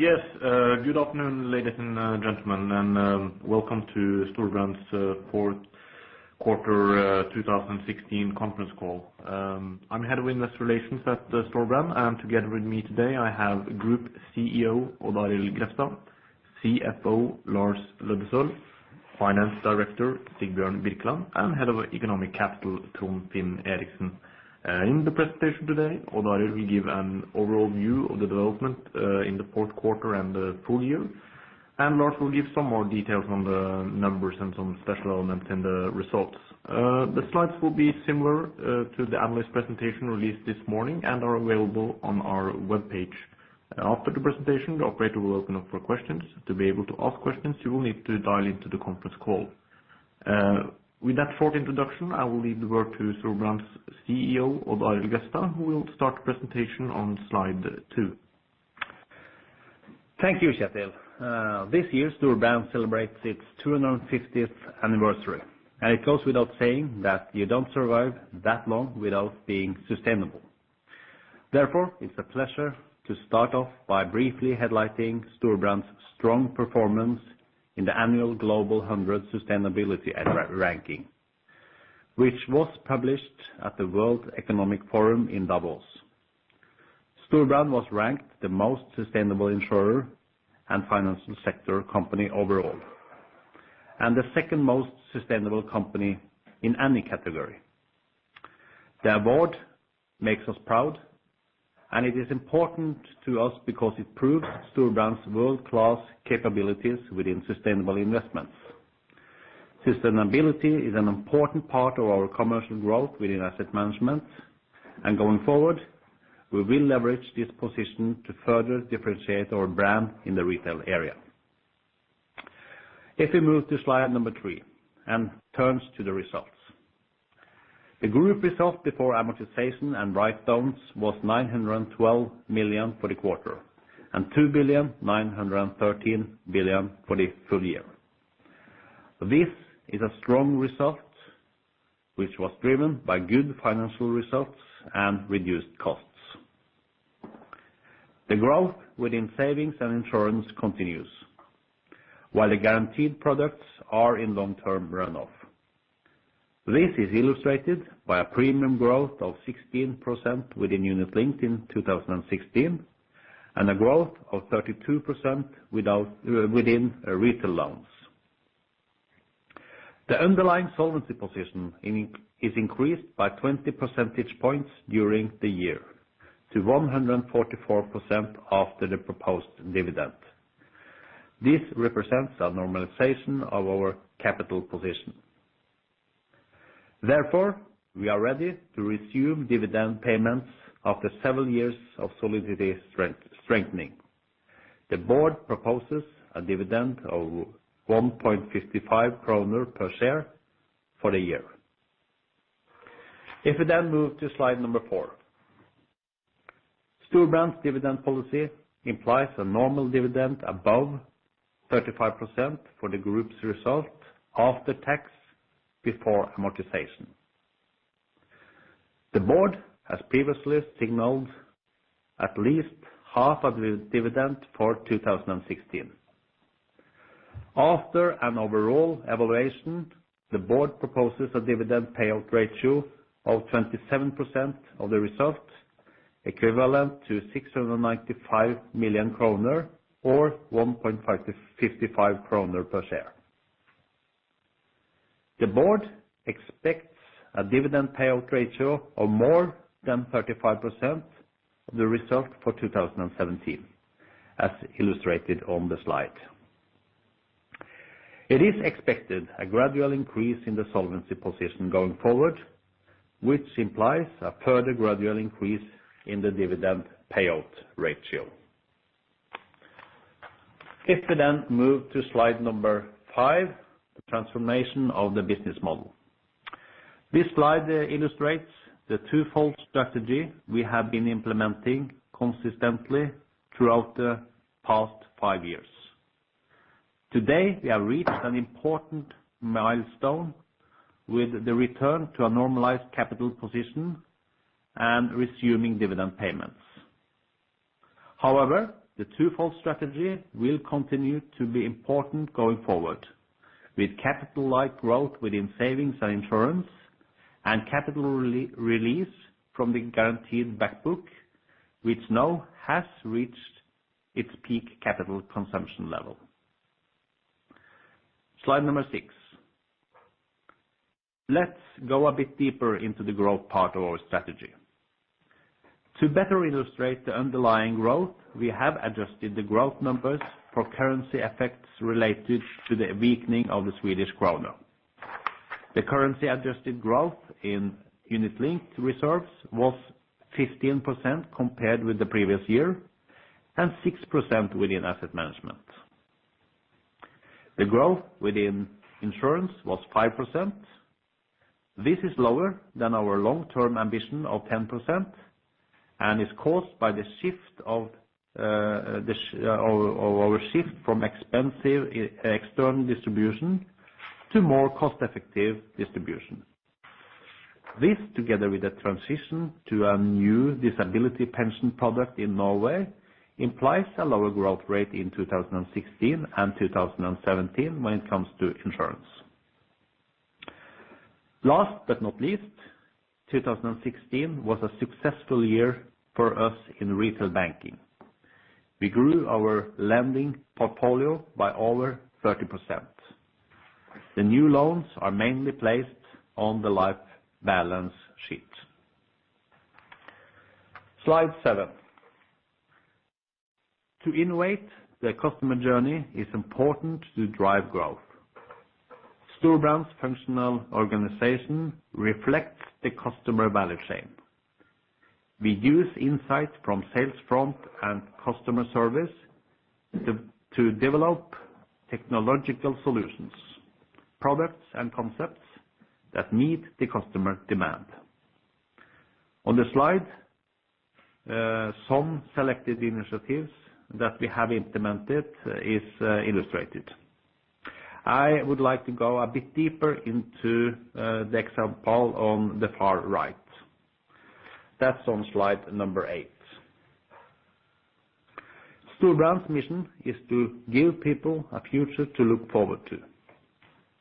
Yes, good afternoon, ladies and gentlemen, and welcome to Storebrand's fourth quarter 2016 conference call. I'm Head of Investor Relations at Storebrand, and together with me today, I have Group CEO, Odd Arild Grefstad, CFO Lars Løddesøl, Finance Director Sigbjørn Birkeland, and Head of Economic Capital, Trond Finn Eriksen. In the presentation today, Odd Arild will give an overall view of the development in the fourth quarter and the full year. And Lars will give some more details on the numbers and some special elements in the results. The slides will be similar to the analyst presentation released this morning, and are available on our webpage. After the presentation, the operator will open up for questions. To be able to ask questions, you will need to dial into the conference call. With that short introduction, I will leave the word to Storebrand's CEO, Odd Arild Grefstad, who will start the presentation on slide two. Thank you, Kjetil. This year, Storebrand celebrates its 250th anniversary, and it goes without saying that you don't survive that long without being sustainable. Therefore, it's a pleasure to start off by briefly highlighting Storebrand's strong performance in the annual Global 100 Sustainability Ranking, which was published at the World Economic Forum in Davos. Storebrand was ranked the most sustainable insurer and financial sector company overall, and the second most sustainable company in any category. The award makes us proud, and it is important to us because it proves Storebrand's world-class capabilities within sustainable investments. Sustainability is an important part of our commercial growth within asset management, and going forward, we will leverage this position to further differentiate our brand in the retail area. If we move to slide number three, and turns to the results. The group result before amortization and writedowns was 912 million for the quarter, and 2.913 billion for the full year. This is a strong result, which was driven by good financial results and reduced costs. The growth within savings and insurance continues, while the guaranteed products are in long-term run-off. This is illustrated by a premium growth of 16% within unit linked in 2016, and a growth of 32% within retail loans. The underlying solvency position is increased by 20 percentage points during the year to 144% after the proposed dividend. This represents a normalization of our capital position. Therefore, we are ready to resume dividend payments after several years of solvency strengthening. The board proposes a dividend of 1.55 kroner per share for the year. If we then move to slide four. Storebrand's dividend policy implies a normal dividend above 35% for the group's result after tax, before amortization. The board has previously signaled at least half of the dividend for 2016. After an overall evaluation, the board proposes a dividend payout ratio of 27% of the result, equivalent to 695 million kroner, or 1.55 kroner per share. The board expects a dividend payout ratio of more than 35% of the result for 2017, as illustrated on the slide. It is expected a gradual increase in the solvency position going forward, which implies a further gradual increase in the dividend payout ratio. If we then move to slide five, the transformation of the business model. This slide illustrates the twofold strategy we have been implementing consistently throughout the past five years. Today, we have reached an important milestone with the return to a normalized capital position and resuming dividend payments. However, the twofold strategy will continue to be important going forward, with capital-light growth within savings and insurance, and capital re-release from the guaranteed back book, which now has reached its peak capital consumption level. Slide number six. Let's go a bit deeper into the growth part of our strategy. To better illustrate the underlying growth, we have adjusted the growth numbers for currency effects related to the weakening of the Swedish krona. The currency-adjusted growth in unit-linked reserves was 15% compared with the previous year, and 6% within asset management. The growth within insurance was 5%. This is lower than our long-term ambition of 10%, and is caused by the shift from expensive external distribution to more cost-effective distribution. This, together with the transition to a new disability pension product in Norway, implies a lower growth rate in 2016 and 2017 when it comes to insurance. Last but not least, 2016 was a successful year for us in retail banking. We grew our lending portfolio by over 30%. The new loans are mainly placed on the life balance sheet. Slide seven. To innovate the customer journey is important to drive growth. Storebrand's functional organization reflects the customer value chain. We use insights from sales front and customer service to develop technological solutions, products, and concepts that meet the customer demand. On the slide, some selected initiatives that we have implemented is illustrated. I would like to go a bit deeper into the example on the far right. That's on slide number eight. Storebrand's mission is to give people a future to look forward to.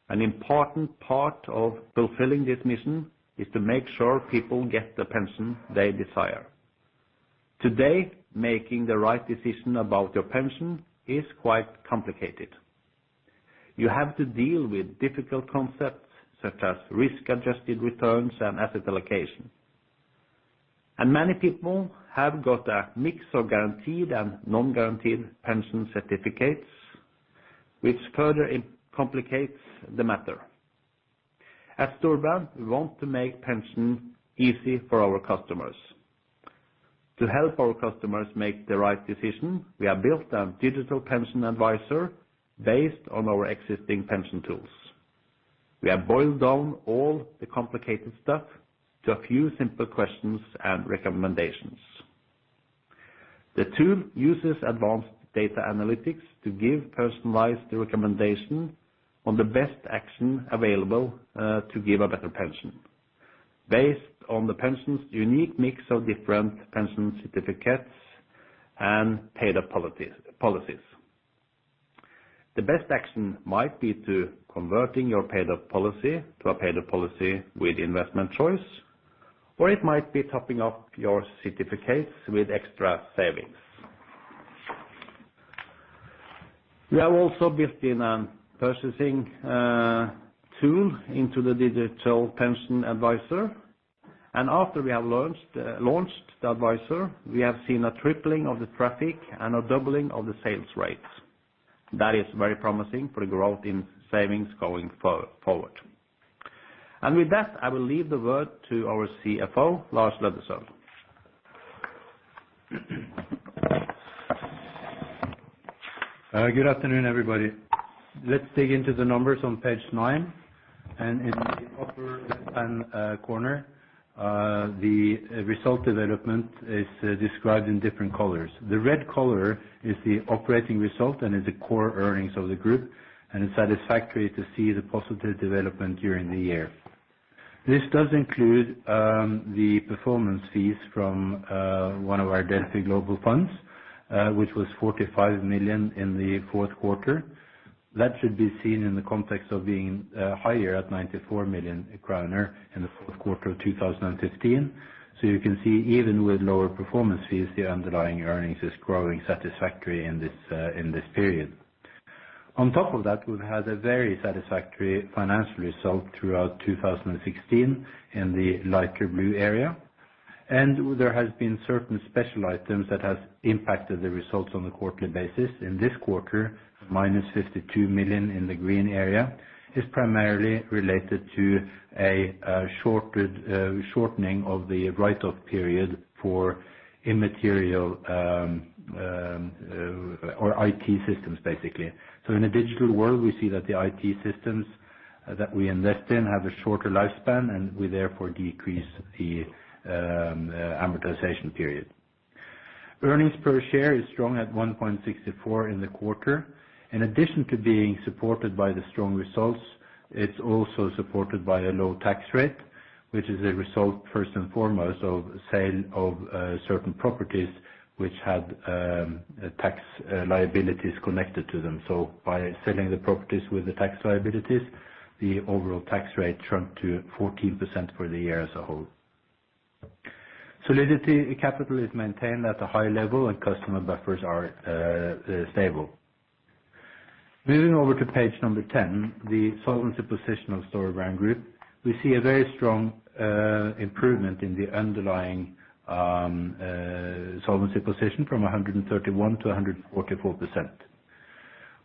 An important part of fulfilling this mission is to make sure people get the pension they desire. Today, making the right decision about your pension is quite complicated. You have to deal with difficult concepts, such as risk-adjusted returns and asset allocation. Many people have got a mix of guaranteed and non-guaranteed pension certificates, which further complicates the matter. At Storebrand, we want to make pension easy for our customers. To help our customers make the right decision, we have built a digital pension advisor based on our existing pension tools. We have boiled down all the complicated stuff to a few simple questions and recommendations. The tool uses advanced data analytics to give personalized recommendation on the best action available to give a better pension. Based on the pension's unique mix of different pension certificates and paid-up policies. The best action might be to converting your paid-up policy to a paid-up policy with investment choice, or it might be topping up your certificates with extra savings. We have also built in a purchasing tool into the digital pension advisor, and after we have launched the advisor, we have seen a tripling of the traffic and a doubling of the sales rates. That is very promising for the growth in savings going forward. And with that, I will leave the word to our CFO, Lars Løddesøl. Good afternoon, everybody. Let's dig into the numbers on page nine, and in the upper left-hand corner, the result development is described in different colors. The red color is the operating result, and is the core earnings of the group, and it's satisfactory to see the positive development during the year. This does include the performance fees from one of our DNB Global funds, which was 45 million in the fourth quarter. That should be seen in the context of being higher at 94 million kroner in the fourth quarter of 2015. So you can see, even with lower performance fees, the underlying earnings is growing satisfactory in this period. On top of that, we've had a very satisfactory financial result throughout 2016 in the lighter blue area. There has been certain special items that has impacted the results on a quarterly basis. In this quarter, -52 million in the green area, is primarily related to a shorter shortening of the write-off period for immaterial or IT systems, basically. So in a digital world, we see that the IT systems that we invest in have a shorter lifespan, and we therefore decrease the amortization period. Earnings per share is strong at 1.64 in the quarter. In addition to being supported by the strong results, it's also supported by a low tax rate, which is a result, first and foremost, of sale of certain properties which had tax liabilities connected to them. So by selling the properties with the tax liabilities, the overall tax rate shrunk to 14% for the year as a whole. Solvency capital is maintained at a high level, and customer buffers are stable. Moving over to page 10, the solvency position of Storebrand Group, we see a very strong improvement in the underlying solvency position from 131 to 144%.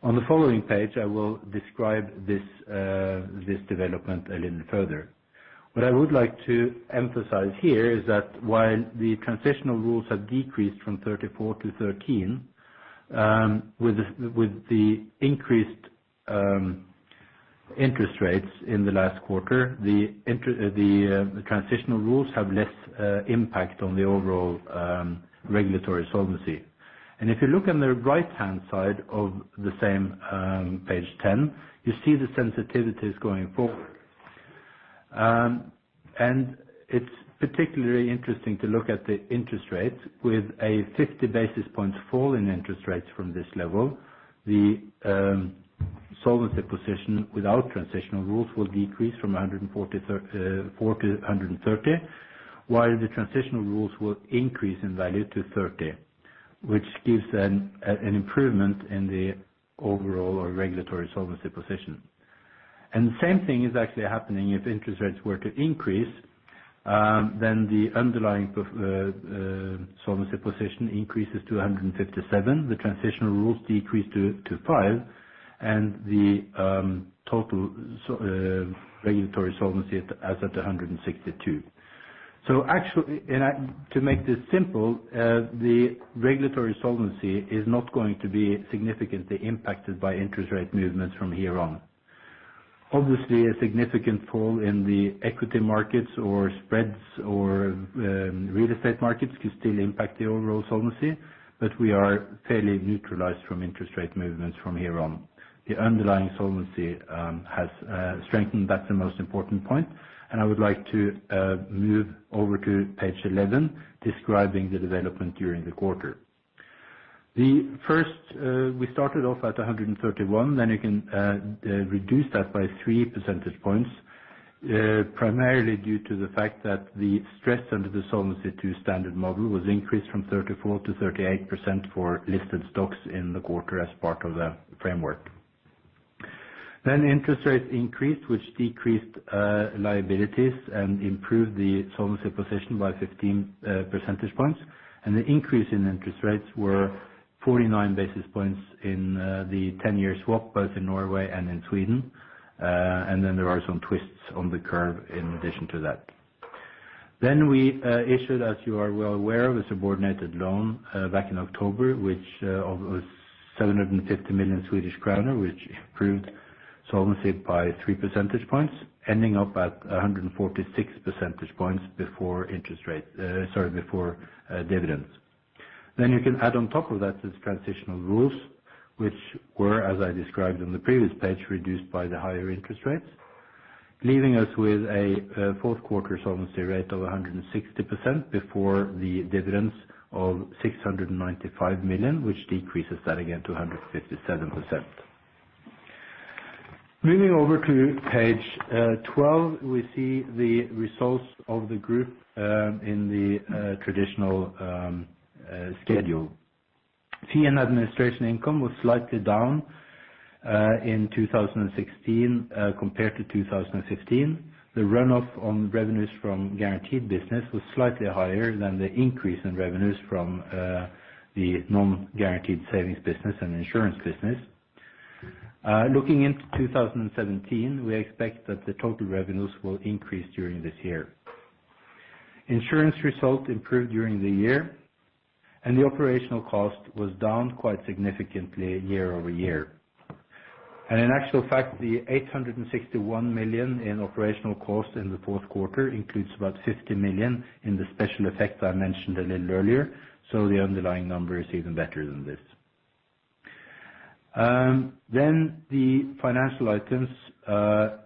On the following page, I will describe this development a little further. What I would like to emphasize here is that while the transitional rules have decreased from 34 to 13, with the increased interest rates in the last quarter, the transitional rules have less impact on the overall regulatory solvency. And if you look on the right-hand side of the same page 10, you see the sensitivities going forward. And it's particularly interesting to look at the interest rates with a 50 basis points fall in interest rates from this level, the solvency position without transitional rules will decrease from 144 to 130, while the transitional rules will increase in value to 30, which gives an improvement in the overall or regulatory solvency position. And the same thing is actually happening if interest rates were to increase, then the underlying solvency position increases to 157. The transitional rules decrease to 5, and the total regulatory solvency as at 162. So actually, to make this simple, the regulatory solvency is not going to be significantly impacted by interest rate movements from here on. Obviously, a significant fall in the equity markets or spreads or real estate markets could still impact the overall solvency, but we are fairly neutralized from interest rate movements from here on. The underlying solvency has strengthened. That's the most important point, and I would like to move over to page 11, describing the development during the quarter. First, we started off at 131, then you can reduce that by three percentage points, primarily due to the fact that the stress under the Solvency II standard model was increased from 34-38 percent for listed stocks in the quarter as part of the framework. Then interest rates increased, which decreased liabilities and improved the solvency position by 15 percentage points, and the increase in interest rates were 49 basis points in the 10-year swap, both in Norway and in Sweden. And then there are some twists on the curve in addition to that. Then we issued, as you are well aware, a subordinated loan back in October, which was 750 million Swedish kronor, which improved solvency by three percentage points, ending up at 146 percentage points before interest rate, sorry, before dividends. Then you can add on top of that, the transitional rules, which were, as I described on the previous page, reduced by the higher interest rates, leaving us with a fourth quarter solvency rate of 160% before the dividends of 695 million, which decreases that again to 157%. Moving over to page 12, we see the results of the group in the traditional schedule. Fee and administration income was slightly down in 2016 compared to 2015. The run-off on revenues from guaranteed business was slightly higher than the increase in revenues from the non-guaranteed savings business and insurance business. Looking into 2017, we expect that the total revenues will increase during this year. Insurance result improved during the year, and the operational cost was down quite significantly year over year. In actual fact, 861 million in operational cost in the fourth quarter includes about 50 million in the special effects I mentioned a little earlier, so the underlying number is even better than this. Then the financial items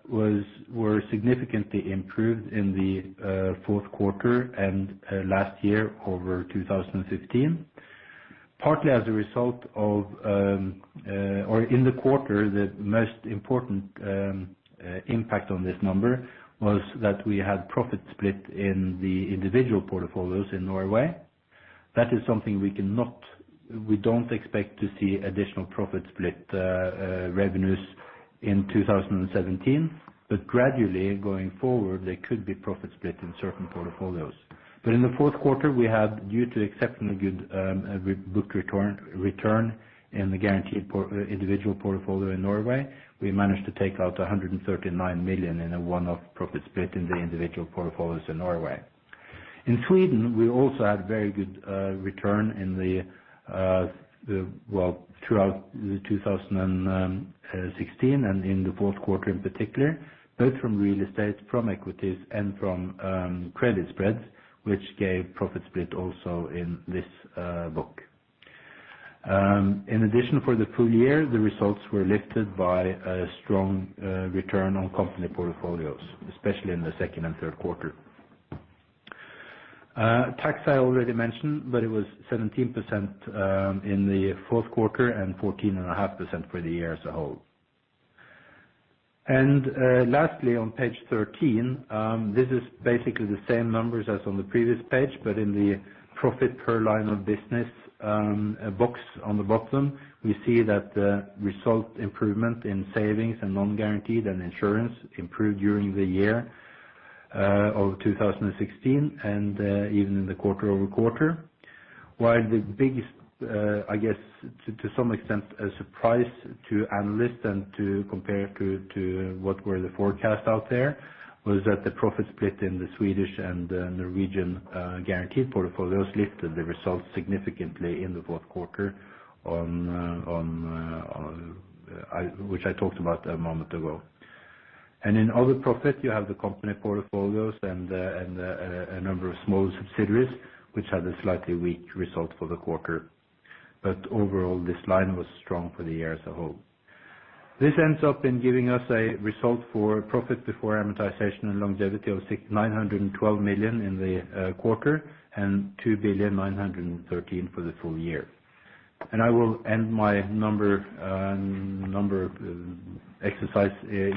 was significantly improved in the fourth quarter and last year over 2015, partly as a result of, or in the quarter, the most important impact on this number was that we had profit split in the individual portfolios in Norway. That is something we don't expect to see additional profit split revenues in 2017, but gradually, going forward, there could be profit split in certain portfolios. But in the fourth quarter, we had, due to exceptionally good book return in the guaranteed portfolio in the individual portfolio in Norway, we managed to take out 139 million in a one-off profit split in the individual portfolios in Norway. In Sweden, we also had very good return, well, throughout 2016 and in the fourth quarter in particular, both from real estate, from equities, and from credit spreads, which gave profit split also in this book. In addition, for the full year, the results were lifted by a strong return on company portfolios, especially in the second and third quarter. Tax I already mentioned, but it was 17% in the fourth quarter and 14.5% for the year as a whole. And, lastly, on page 13, this is basically the same numbers as on the previous page, but in the profit per line of business box on the bottom, we see that the result improvement in savings and non-guaranteed and insurance improved during the year of 2016, and even in the quarter-over-quarter. While the biggest, I guess, to some extent, a surprise to analysts and to compare to what were the forecasts out there, was that the profit split in the Swedish and the Norwegian guaranteed portfolios lifted the results significantly in the fourth quarter on which I talked about a moment ago. And in other profit, you have the company portfolios and a number of small subsidiaries, which had a slightly weak result for the quarter. But overall, this line was strong for the year as a whole. This ends up in giving us a result for profit before amortization and longevity of 912 million in the quarter, and 2,913 million for the full year. And I will end my number exercise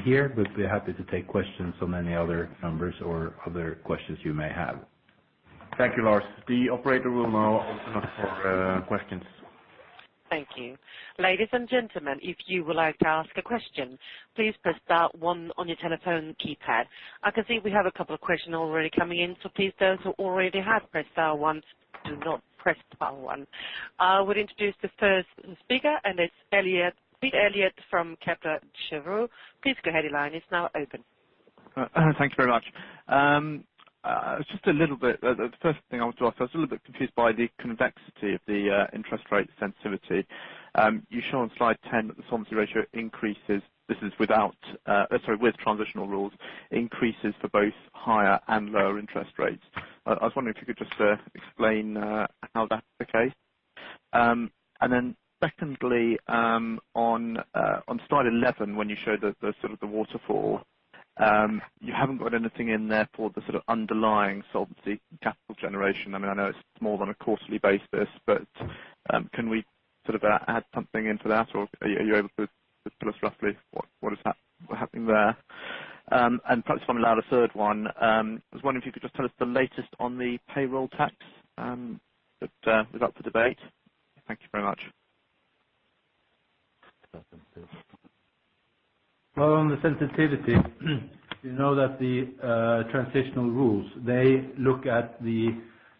here, but be happy to take questions on any other numbers or other questions you may have. Thank you, Lars. The operator will now open up for questions. Thank you. Ladies and gentlemen, if you would like to ask a question, please press star one on your telephone keypad. I can see we have a couple of questions already coming in, so please, those who already have pressed star one, do not press star one. I would introduce the first speaker, and it's Peter Eliot from Kepler Cheuvreux. Please go ahead, your line is now open. Thank you very much. Just a little bit, the first thing I want to ask, I was a little bit confused by the convexity of the interest rate sensitivity. You show on slide 10 that the solvency ratio increases. This is without, sorry, with transitional rules, increases for both higher and lower interest rates. I was wondering if you could just explain how that's the case? And then secondly, on slide 11, when you show the sort of the waterfall, you haven't got anything in there for the sort of underlying solvency capital generation. I mean, I know it's more on a quarterly basis, but, can we sort of add something into that? Or are you able to tell us roughly what is happening there? Perhaps if I'm allowed a third one, I was wondering if you could just tell us the latest on the payroll tax, that is up for debate. Thank you very much. Well, on the sensitivity, you know, that the transitional rules, they look at the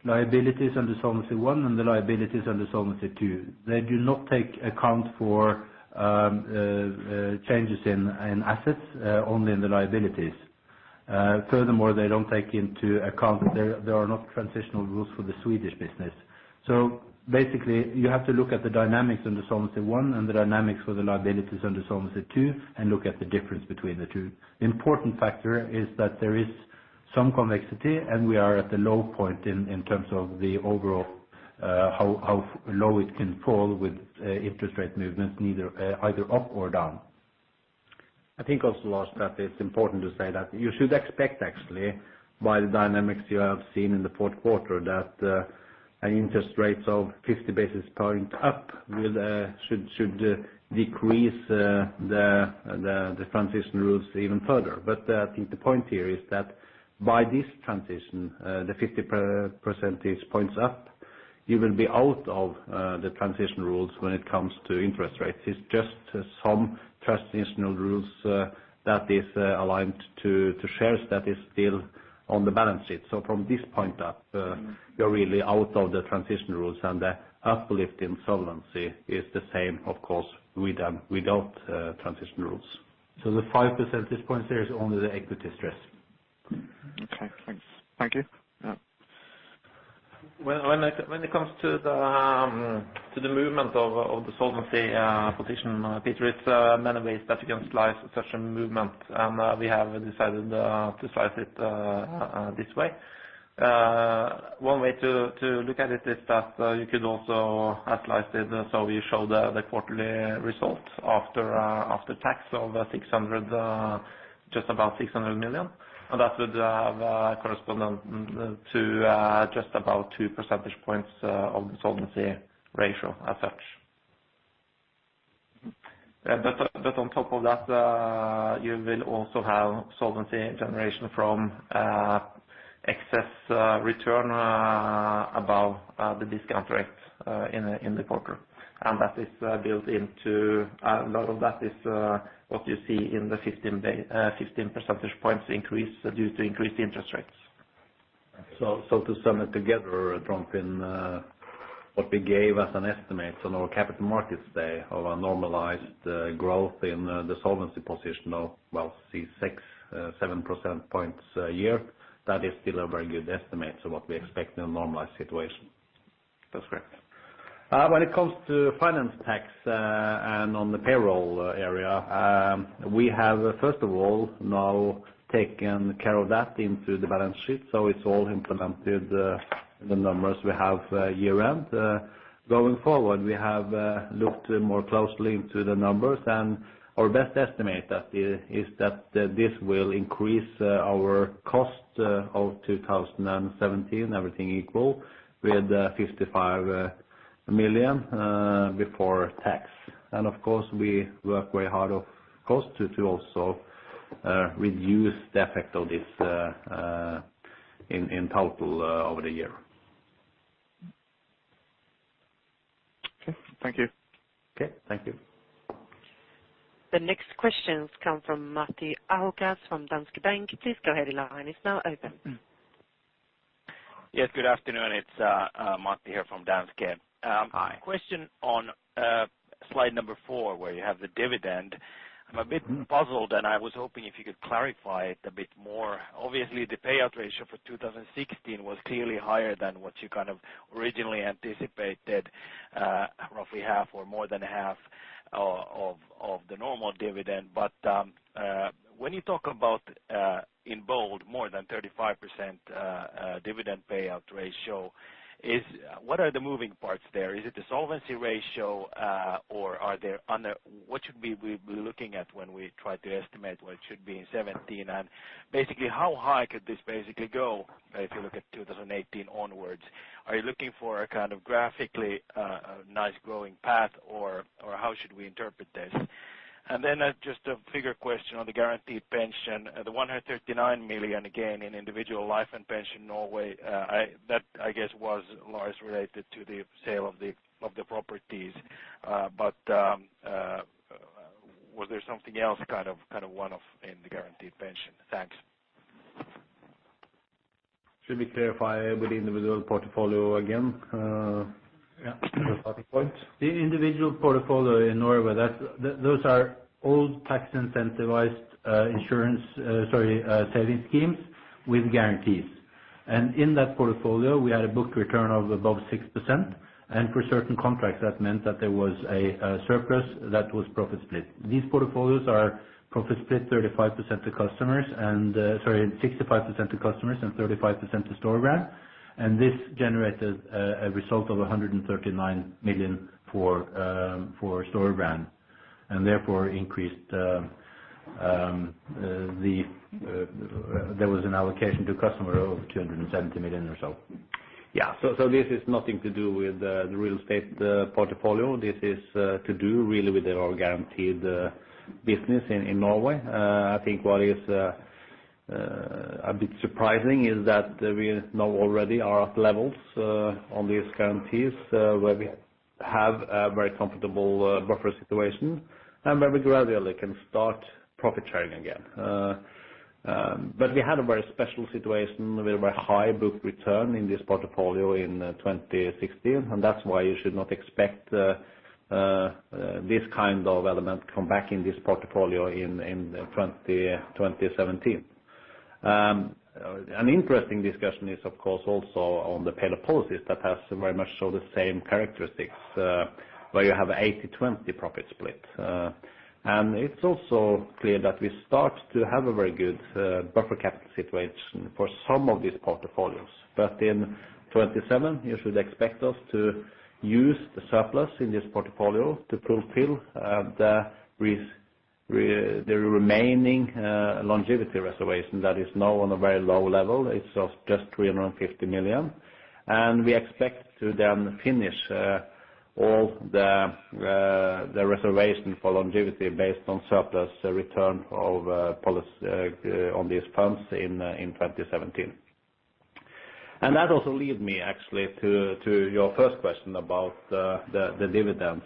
liabilities under Solvency I and the liabilities under Solvency II. They do not take account for, changes in assets, only in the liabilities. Furthermore, they don't take into account. There are not transitional rules for the Swedish business. So basically, you have to look at the dynamics under Solvency I and the dynamics for the liabilities under Solvency II, and look at the difference between the two. Important factor is that there is some convexity, and we are at the low point in terms of the overall, how low it can fall with interest rate movements, neither either up or down. I think also, Lars, that it's important to say that you should expect actually, by the dynamics you have seen in the fourth quarter, that an interest rate of 50 basis points up will should decrease the transition rules even further. But I think the point here is that by this transition, the 50 percentage points up, you will be out of the transition rules when it comes to interest rates. It's just some transitional rules that is aligned to shares that is still on the balance sheet. So from this point up, you're really out of the transition rules, and the uplift in solvency is the same, of course, with without transition rules. So the five percentage points there is only the equity stress. Okay, thanks. Thank you. Yeah. When it comes to the movement of the solvency position, Peter, it's many ways that you can slice such a movement, and we have decided to slice it this way. One way to look at it is that you could also slice it, so you show the quarterly results after tax of just about 600 million, and that would correspond to just about two percentage points of the solvency ratio as such. Yeah, but on top of that, you will also have solvency generation from excess return above the discount rates in the quarter. And that is built into. A lot of that is what you see in the 15-day 15 percentage points increase due to increased interest rates. To sum it together, Trump in what we gave as an estimate on our capital markets day of a normalized growth in the solvency position of, well, say six-seven percentage points a year. That is still a very good estimate of what we expect in a normalized situation. That's correct. When it comes to finance tax and on the payroll area, we have, first of all, now taken care of that into the balance sheet, so it's all implemented, the numbers we have year-end. Going forward, we have looked more closely into the numbers, and our best estimate is that this will increase our cost of 2017, everything equal, with 55 million before tax. And of course, we work very hard on cost to also reduce the effect of this in total over the year. Okay. Thank you. Okay, thank you. The next questions come from Matti Ahokas from Danske Bank. Please go ahead, your line is now open. Yes, good afternoon. It's Matti here from Danske. Hi. Question on slide number four, where you have the dividend. I'm a bit puzzled, and I was hoping if you could clarify it a bit more. Obviously, the payout ratio for 2016 was clearly higher than what you kind of originally anticipated, roughly half or more than half of the normal dividend. But when you talk about in bold, more than 35% dividend payout ratio, what are the moving parts there? Is it the solvency ratio, or are there under- what should we be looking at when we try to estimate what it should be in 2017? And basically, how high could this basically go if you look at 2018 onwards? Are you looking for a kind of graphically nice growing path, or how should we interpret this? And then just a bigger question on the guaranteed pension, the 139 million, again, in individual life and pension Norway. I guess that was largely related to the sale of the properties. But was there something else kind of one-off in the guaranteed pension? Thanks. Should we clarify with the individual portfolio again? Yeah. Your starting point. The individual portfolio in Norway, that's those are old tax incentivized insurance saving schemes with guarantees. And in that portfolio, we had a book return of above 6%, and for certain contracts, that meant that there was a surplus that was profit split. These portfolios are profit split 35% to customers, and sorry, 65% to customers and 35% to Storebrand. And this generated a result of 139 million for Storebrand, and therefore increased the, there was an allocation to customer of 270 million or so. Yeah. So this is nothing to do with the real estate portfolio. This is to do really with our guaranteed business in Norway. I think what is a bit surprising is that we now already are at levels on these guarantees where we have a very comfortable buffer situation, and where we gradually can start profit sharing again. But we had a very special situation with a very high book return in this portfolio in 2016, and that's why you should not expect this kind of element to come back in this portfolio in 2017. An interesting discussion is, of course, also on the paid-up policy that has very much so the same characteristics, where you have 80/20 profit split. And it's also clear that we start to have a very good buffer capital situation for some of these portfolios. But in 2027, you should expect us to use the surplus in this portfolio to fulfill the remaining longevity reservation that is now on a very low level. It's of just 350 million. And we expect to then finish all the reservation for longevity based on surplus return of policy on these funds in 2017. And that also lead me, actually, to your first question about the dividends.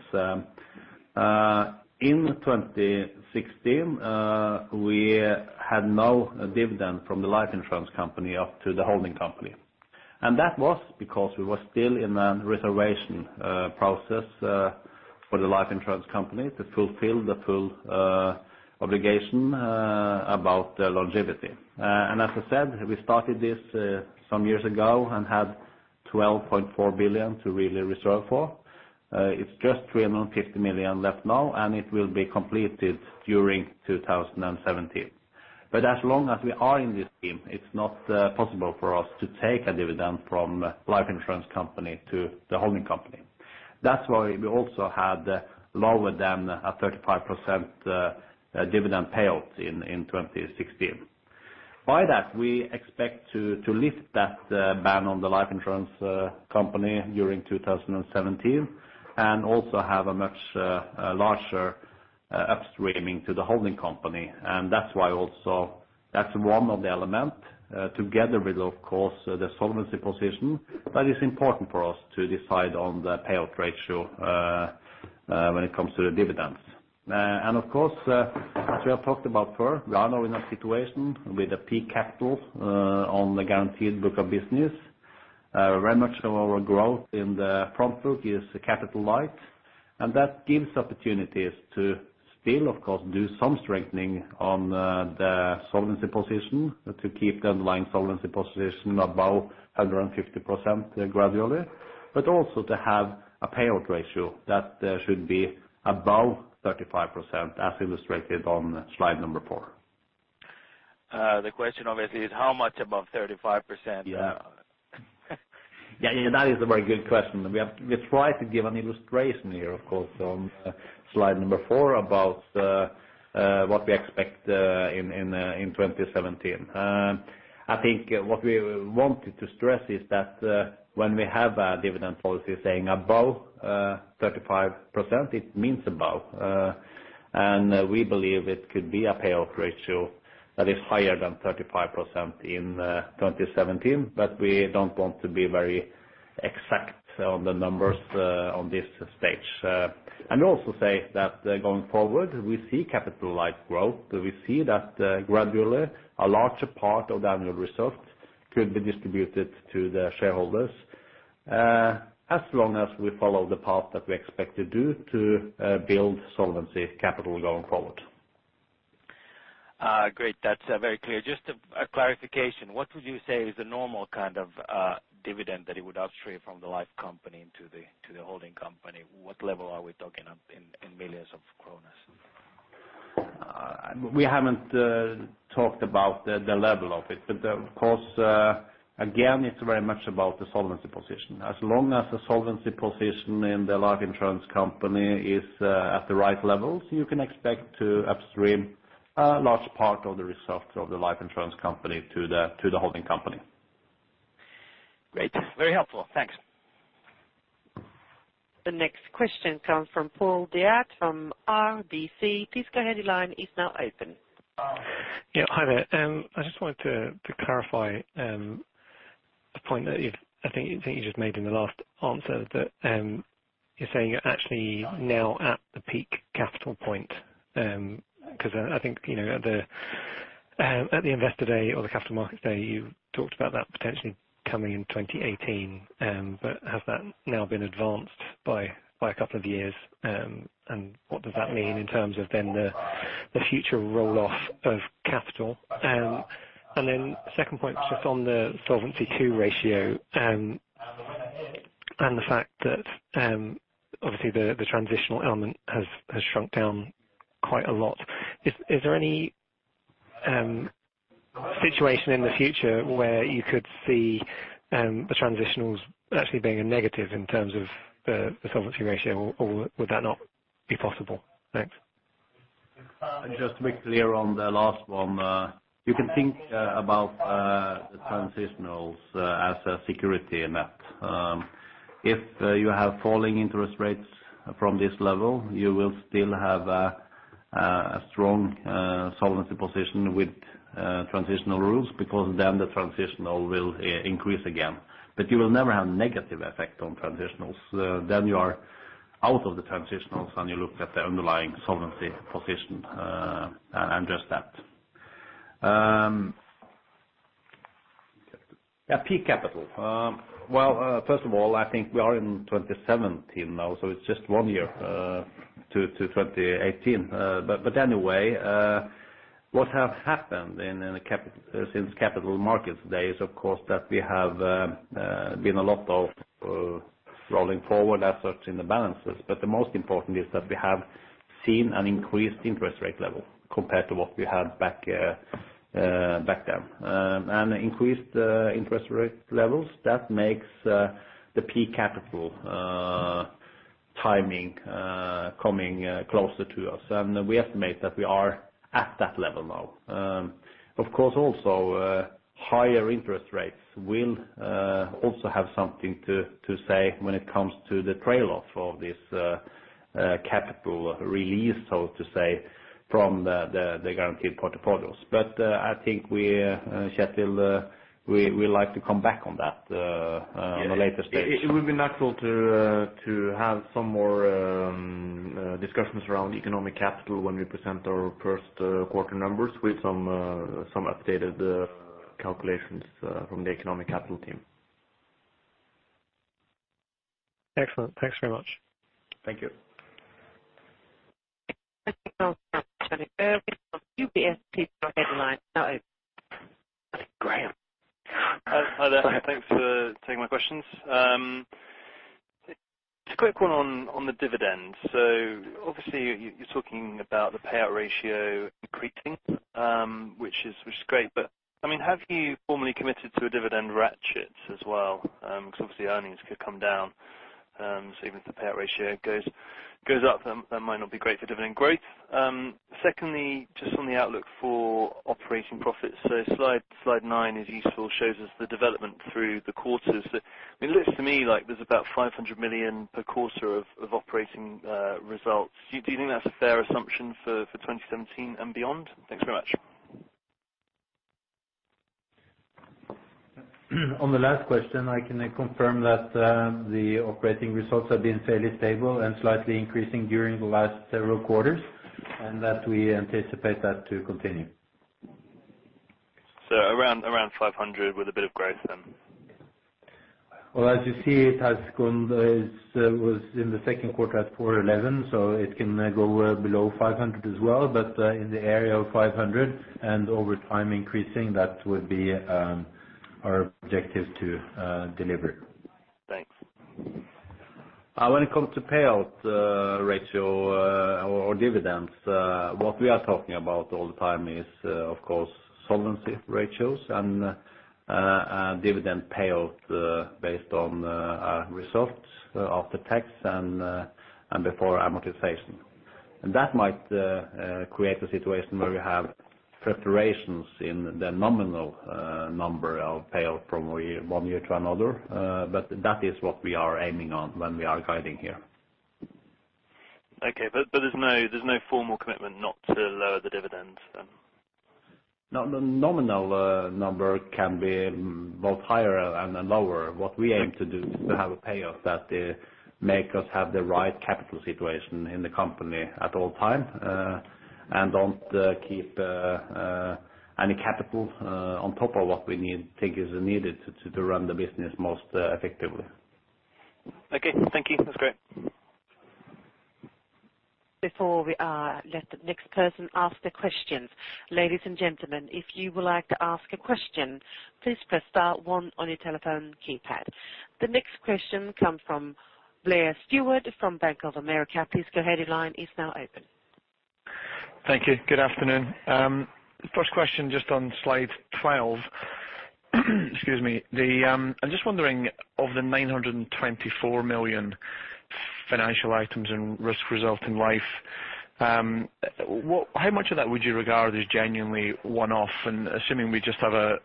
In 2016, we had no dividend from the life insurance company up to the holding company, and that was because we were still in a reservation process for the life insurance company to fulfill the full obligation about the longevity. And as I said, we started this some years ago and had 12.4 billion to really reserve for. It's just 350 million left now, and it will be completed during 2017. But as long as we are in this scheme, it's not possible for us to take a dividend from life insurance company to the holding company. That's why we also had lower than a 35% dividend payout in 2016. By that, we expect to lift that ban on the life insurance company during 2017, and also have a much larger upstreaming to the holding company. And that's why also, that's one of the element, together with, of course, the solvency position, that is important for us to decide on the payout ratio, when it comes to the dividends. And of course, as we have talked about before, we are now in a situation with a peak capital on the guaranteed book of business. Very much of our growth in the front book is capital light, and that gives opportunities to still, of course, do some strengthening on the solvency position, to keep the underlying solvency position above 150% gradually, but also to have a payout ratio that should be above 35%, as illustrated on slide number four. The question obviously is how much above 35%? Yeah. Yeah, that is a very good question. We tried to give an illustration here, of course, on slide number four, about what we expect in 2017. I think what we wanted to stress is that when we have a dividend policy saying above 35%, it means above. And we believe it could be a payoff ratio that is higher than 35% in 2017, but we don't want to be very exact on the numbers on this stage. And also say that going forward, we see capital like growth. We see that gradually, a larger part of the annual results could be distributed to the shareholders as long as we follow the path that we expect to do to build solvency capital going forward. Great, that's very clear. Just a clarification. What would you say is the normal kind of dividend that it would upstream from the life company into the, to the holding company? What level are we talking of in millions of NOK? We haven't talked about the level of it, but of course, again, it's very much about the solvency position. As long as the solvency position in the life insurance company is at the right levels, you can expect to upstream a large part of the results of the life insurance company to the holding company. Great. Very helpful. Thanks. The next question comes from Paul De'Ath from RBC. Please go ahead, your line is now open. Yeah, hi there. I just wanted to clarify a point that you've—I think you just made in the last answer, that you're saying you're actually now at the peak capital point. Because I think, you know, at the Investor Day or the Capital Markets Day, you talked about that potentially coming in 2018. But has that now been advanced by a couple of years? And what does that mean in terms of then the future roll-off of capital? And then second point, just on the Solvency II ratio, and the fact that obviously the transitional element has shrunk down quite a lot. Is there any situation in the future where you could see the transitionals actually being a negative in terms of the solvency ratio, or would that not be possible? Thanks. Just to be clear on the last one, you can think about the transitionals as a security net. If you have falling interest rates from this level, you will still have a strong solvency position with transitional rules, because then the transitional will increase again. But you will never have negative effect on transitionals. Then you are out of the transitionals, and you look at the underlying solvency position and just that. Yeah, peak capital. Well, first of all, I think we are in 2017 now, so it's just one year to 2018. But anyway, what has happened since Capital Markets Day is, of course, that we have been a lot of rolling forward as such in the balances. But the most important is that we have seen an increased interest rate level compared to what we had back then. And increased interest rate levels that makes the peak capital timing coming closer to us. And we estimate that we are at that level now. Of course, also, higher interest rates will also have something to say when it comes to the trade-off of this capital release, so to say, from the guaranteed portfolios. But I think we, Kjetil, we'd like to come back on that at a later stage. It would be natural to have some more discussions around economic capital when we present our first quarter numbers with some updated calculations from the economic capital team. Excellent. Thanks very much. Thank you. UBS, please go ahead, the line is now open. Great. Hi there. Thanks for taking my questions. Just a quick one on the dividend. So obviously, you're talking about the payout ratio increasing, which is great. But, I mean, have you formally committed to a dividend ratchet as well? Because obviously earnings could come down, so even if the payout ratio goes up, that might not be great for dividend growth. Secondly, just on the outlook for operating profits. So slide nine is useful, shows us the development through the quarters. But it looks to me like there's about 500 million per quarter of operating results. Do you think that's a fair assumption for 2017 and beyond? Thanks very much. On the last question, I can confirm that the operating results have been fairly stable and slightly increasing during the last several quarters, and that we anticipate that to continue. Around 500 with a bit of growth, then? Well, as you see, it has gone, it was in the second quarter at 411, so it can go below 500 as well, but, in the area of 500 and over time increasing, that would be our objective to deliver. Thanks. When it comes to payout ratio or dividends, what we are talking about all the time is, of course, solvency ratios and dividend payout based on our results after tax and before amortization. And that might create a situation where we have preparations in the nominal number of payout from one year to another, but that is what we are aiming on when we are guiding here. Okay. But there's no formal commitment not to lower the dividend, then? No, the nominal number can be both higher and then lower. What we aim to do is to have a payout that make us have the right capital situation in the company at all time, and don't keep any capital on top of what we need, think is needed to run the business most effectively. Okay. Thank you. That's great. Before we let the next person ask the questions. Ladies and gentlemen, if you would like to ask a question, please press star one on your telephone keypad. The next question comes from Blair Stewart from Bank of America. Please go ahead, your line is now open. Thank you. Good afternoon. First question, just on slide 12. Excuse me. The, I'm just wondering, of the 924 million financial items and risk result in Life, how much of that would you regard as genuinely one-off? And assuming we just have a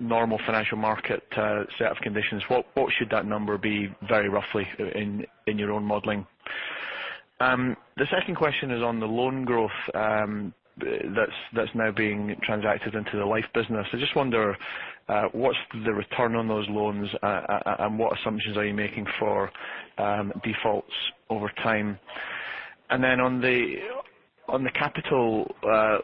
normal financial market set of conditions, what should that number be, very roughly, in your own modeling? The second question is on the loan growth, that's now being transacted into the Life business. I just wonder, what's the return on those loans, and what assumptions are you making for defaults over time? And then on the capital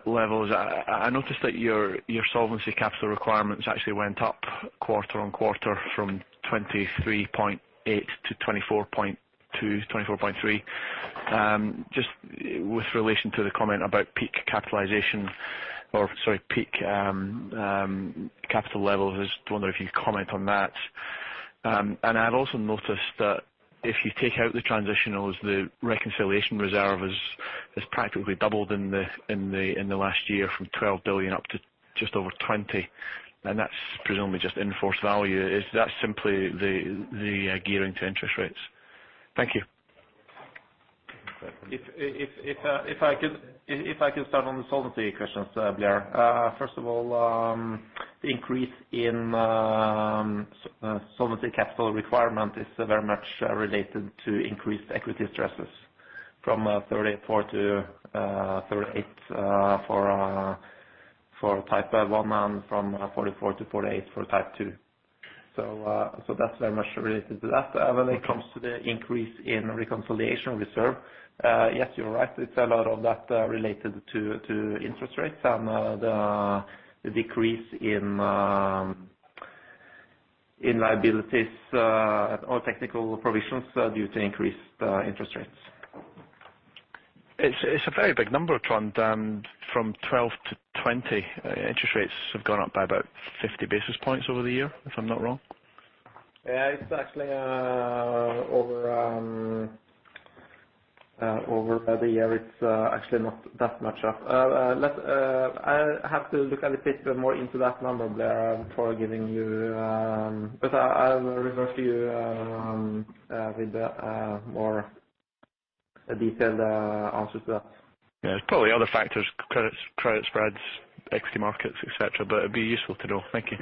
levels, I noticed that your solvency capital requirements actually went up quarter-on-quarter, from 23.8-24.2, 24.3. Just with relation to the comment about peak capitalization or, sorry, peak capital levels, I just wonder if you'd comment on that. And I'd also noticed that if you take out the transitionals, the reconciliation reserve has practically doubled in the last year, from 12 billion up to just over 20 billion, and that's presumably just in-force value. Is that simply the gearing to interest rates? Thank you. If I can start on the solvency questions, Blair. First of all, the increase in solvency capital requirement is very much related to increased equity stresses from 34-38 for type one, and from 44-48 for type two. That's very much related to that. When it comes to the increase in reconciliation reserve, yes, you're right. It's a lot of that related to interest rates and the decrease in liabilities, or technical provisions, due to increased interest rates. It's a very big number, Trond, from 12-20. Interest rates have gone up by about 50 basis points over the year, if I'm not wrong. Yeah, it's actually over the year, it's actually not that much up. I have to look a little bit more into that number, Blair, before giving you. But I'll refer to you with a more detailed answer to that. Yeah. There's probably other factors, credit, credit spreads, equity markets, et cetera, but it'd be useful to know. Thank you.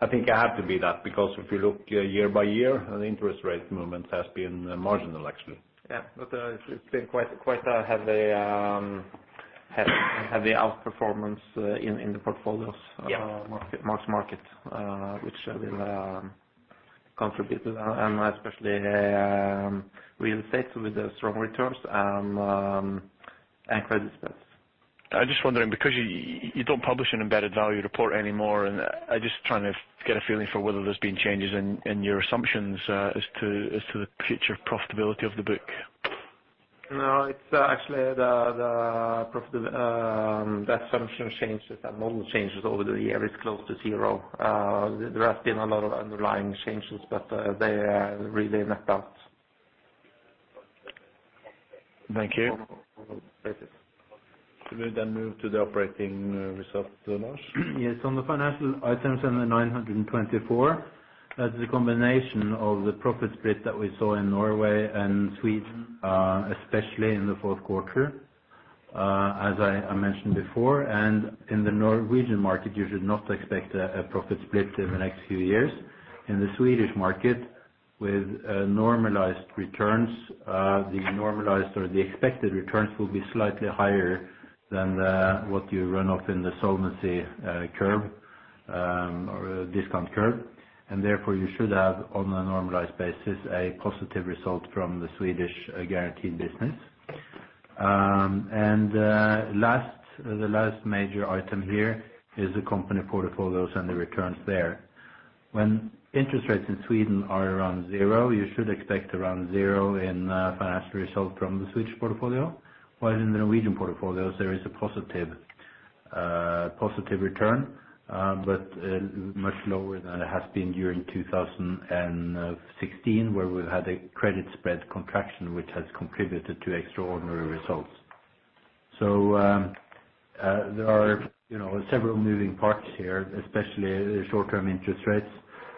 I think it had to be that, because if you look year by year, the interest rate movement has been marginal, actually. Yeah. But, it's been quite, quite a heavy, heavy, heavy outperformance in the portfolios- Yeah. market, mass market, which will contribute to that, and especially, real estate with the strong returns and, and credit spreads. I'm just wondering, because you don't publish an embedded value report anymore, and I'm just trying to get a feeling for whether there's been changes in your assumptions as to the future profitability of the book. No, it's actually the profit, the assumption changes and model changes over the years is close to zero. There has been a lot of underlying changes, but they are really net out. Thank you. Thank you. Should we then move to the operating result, Lars? Yes, on the financial items in the 924, that's a combination of the profit split that we saw in Norway and Sweden, especially in the fourth quarter, as I mentioned before. In the Norwegian market, you should not expect a profit split in the next few years. In the Swedish market, with normalized returns, the normalized or the expected returns will be slightly higher than what you run up in the solvency curve, or discount curve, and therefore, you should have, on a normalized basis, a positive result from the Swedish guaranteed business. Last, the last major item here is the company portfolios and the returns there. When interest rates in Sweden are around zero, you should expect around zero in financial result from the Swedish portfolio. While in the Norwegian portfolios, there is a positive positive return, but much lower than it has been during 2016, where we had a credit spread contraction, which has contributed to extraordinary results. So, there are, you know, several moving parts here, especially short-term interest rates,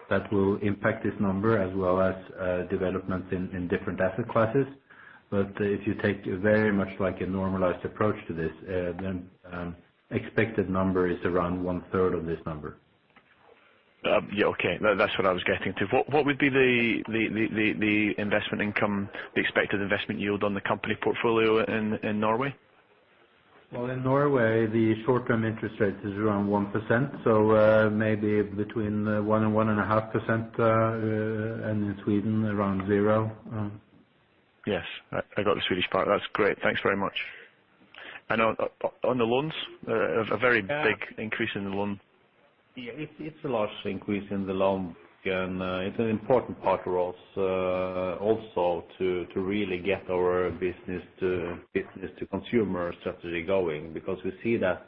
that will impact this number, as well as developments in different asset classes. But if you take very much like a normalized approach to this, then expected number is around one third of this number. Yeah, okay. That's what I was getting to. What would be the investment income, the expected investment yield on the company portfolio in Norway? Well, in Norway, the short-term interest rate is around 1%, so, maybe between 1% and 1.5%, and in Sweden, around 0%. Yes, I got the Swedish part. That's great. Thanks very much. On the loans, a very big increase in the loan. Yeah, it's a large increase in the loan, and it's an important part for us also to really get our business-to-consumer strategy going. Because we see that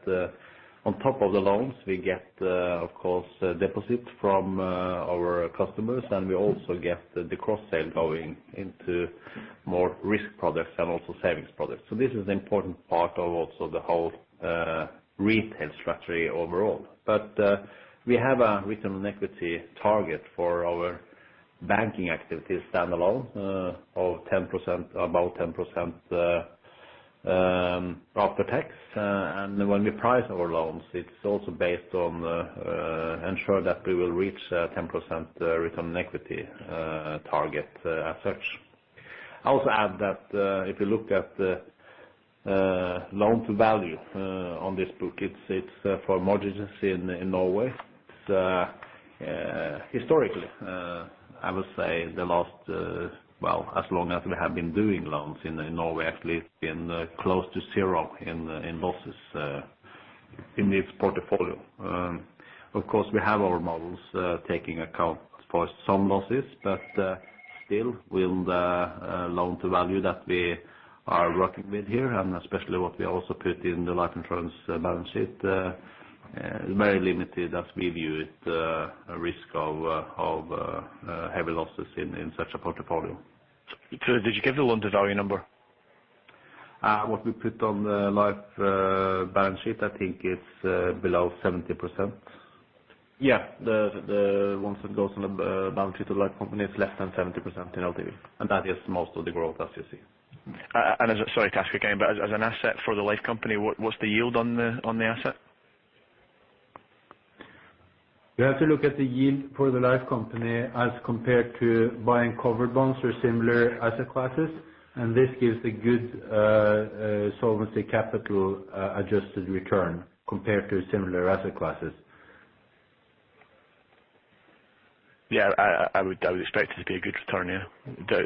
on top of the loans, we get, of course, deposits from our customers, and we also get the cross-sell going into more risk products and also savings products. So this is an important part of also the whole retail strategy overall. But we have a return on equity target for our banking activities standalone of 10%, about 10%, after tax. And when we price our loans, it's also based on to ensure that we will reach a 10% return on equity target as such. I also add that, if you look at the loan-to-value on this book, it's for mortgages in Norway. It's historically, I would say—well, as long as we have been doing loans in Norway, actually, it's been close to zero in losses in this portfolio. Of course, we have our models taking account for some losses, but still with the loan-to-value that we are working with here, and especially what we also put in the life insurance balance sheet, very limited as we view it, risk of of heavy losses in such a portfolio. Did you get the loan-to-value number? What we put on the life balance sheet, I think it's below 70%. Yeah. The ones that goes on the balance sheet of the life company is less than 70% in LTV, and that is most of the growth, as you see. And as a, sorry to ask again, but as, as an asset for the life company, what, what's the yield on the, on the asset? You have to look at the yield for the life company as compared to buying covered bonds or similar asset classes, and this gives a good solvency capital adjusted return compared to similar asset classes. Yeah, I would expect it to be a good return. Yeah.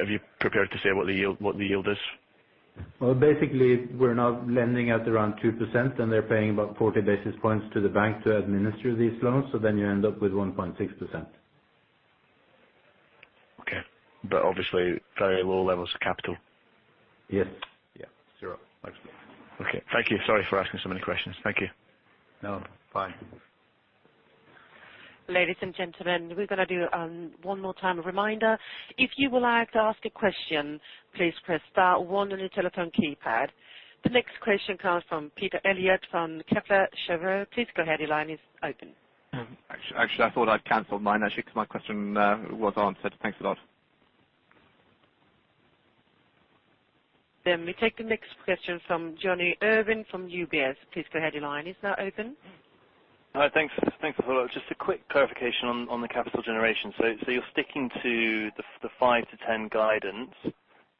Are you prepared to say what the yield is? Well, basically, we're now lending at around 2%, and they're paying about 40 basis points to the bank to administer these loans, so then you end up with 1.6%. Okay. But obviously, very low levels of capital. Yes. Yeah. Sure. Okay. Thank you. Sorry for asking so many questions. Thank you. No, bye. Ladies and gentlemen, we're gonna do one more time a reminder. If you would like to ask a question, please press star one on your telephone keypad. The next question comes from Peter Eliot from Kepler Cheuvreux. Please go ahead. Your line is open. Actually, I thought I'd canceled mine, actually, because my question was answered. Thanks a lot. Then we take the next question from Jonny Urwin from UBS. Please go ahead. Your line is now open. Thanks. Thanks for the hold. Just a quick clarification on the capital generation. So, you're sticking to the five-10 guidance,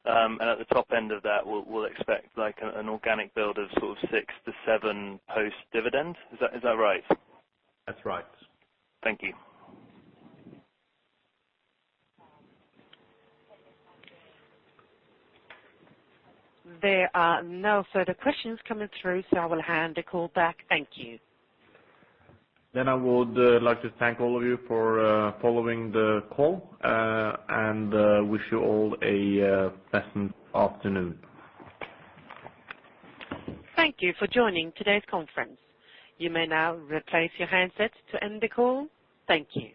and at the top end of that, we'll expect an organic build of six-seven post-dividend. Is that right? That's right. Thank you. There are no further questions coming through, so I will hand the call back. Thank you. Then I would like to thank all of you for following the call, and wish you all a pleasant afternoon. Thank you for joining today's conference. You may now replace your handsets to end the call. Thank you.